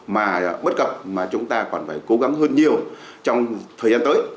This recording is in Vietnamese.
mà bất cập mà chúng ta còn phải cố gắng hơn nhiều trong thời gian tới